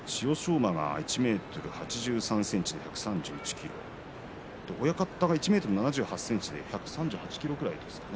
馬は１ｍ８３ｃｍ１３１ｋｇ親方が１ｍ７８ｃｍで１３８ｋｇぐらいでしたね